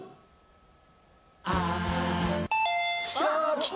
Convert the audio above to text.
きた！